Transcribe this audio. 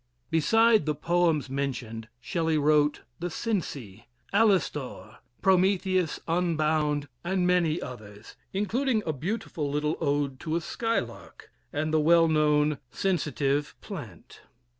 Beside the poems mentioned, Shelley wrote "The Cenci," "Alastor," "Prometheus Unbound," and many others, including a beautiful little ode to a "Skylark," and the well known "Sensitive Plant."